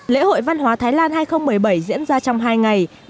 lễ hội văn hóa thái lan hai nghìn một mươi bảy diễn ra trong hai ngày